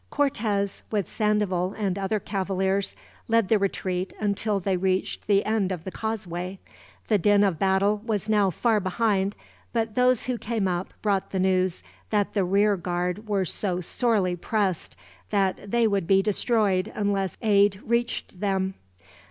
Cortez, with Sandoval and other cavaliers, led the retreat until they reached the end of the causeway. The din of battle was now far behind, but those who came up brought the news that the rear guard were so sorely pressed, that they would be destroyed unless aid reached them.